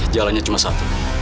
jalannya cuma satu